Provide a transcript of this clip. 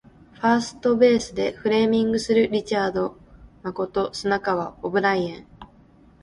ファーストベースでフレーミングするリチャード誠砂川オブライエン